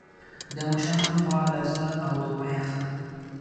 د مشرانو خوا له ځه او دعا يې اخله